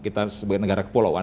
kita sebagai negara kepulauan